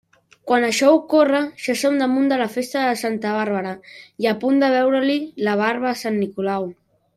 Quan això ocorre, ja som damunt de la festa de Santa Bàrbara i a punt de veure-li la barba a sant Nicolau.